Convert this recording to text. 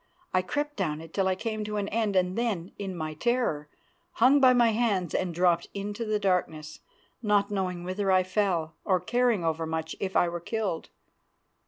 I crept down it till it came to an end, and then, in my terror, hung by my hands and dropped into the darkness, not knowing whither I fell, or caring over much if I were killed.